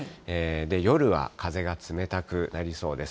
夜は風が冷たくなりそうです。